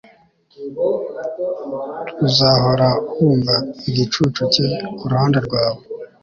Uzahora wumva igicucu cye kuruhande rwawe